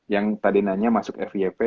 yang tadi nanya masuk fiev